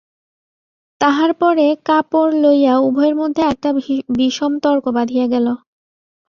তাহার পরে কাপড় লইয়া উভয়ের মধ্যে একটা বিষম তর্ক বাধিয়া গেল।